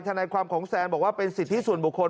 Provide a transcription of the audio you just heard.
นายความของแซนบอกว่าเป็นสิทธิส่วนบุคคล